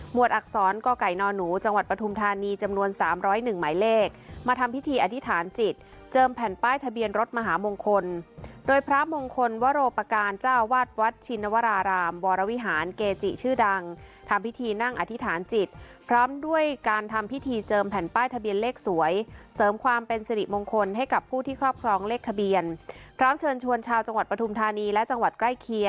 หมวดอักษรก่อก่ายนอนูจังหวัดปฐุมธานีจำนวน๓๐๑หมายเลขมาทำพิธีอธิษฐานจิตเจิมแผ่นป้ายทะเบียนรถมหามงคลโดยพระมงคลวรปการเจ้าวัดวัดชินวรารามวรวิหารเกจิชื่อดังทำพิธีนั่งอธิษฐานจิตพร้อมด้วยการทำพิธีเจิมแผ่นป้ายทะเบียนเลขสวยเสริมความเป็นสิริมงคลให้กับผู้ที่